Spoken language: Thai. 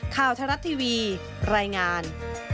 ข่าวทะลัดทีวีรายงาน